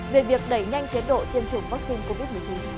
về việc đẩy nhanh tiến độ tiêm chủng vaccine covid một mươi chín